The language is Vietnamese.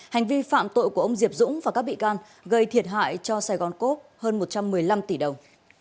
hành vi phạm tội của ông diệp dũng và các bị can gây thiệt hại cho sài gòn cốp hơn một trăm một mươi năm tỷ đồng